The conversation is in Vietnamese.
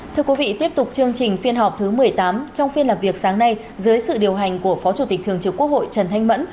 thưa quý vị tiếp tục chương trình phiên họp thứ một mươi tám trong phiên làm việc sáng nay dưới sự điều hành của phó chủ tịch thường trực quốc hội trần thanh mẫn